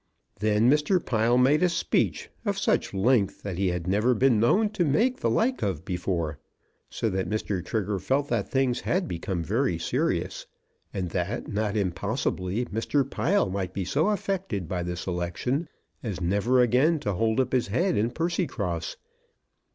Then Mr. Pile made a speech, of such length that he had never been known to make the like before; so that Mr. Trigger felt that things had become very serious, and that, not impossibly, Mr. Pile might be so affected by this election as never again to hold up his head in Percycross.